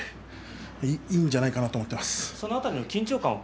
いいんじゃないかなと思っています。